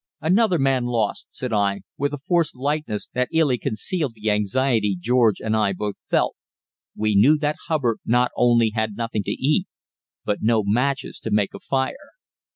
"Another man lost," said I, with a forced lightness that illy concealed the anxiety George and I both felt; we knew that Hubbard not only had nothing to eat, but no matches to make a fire.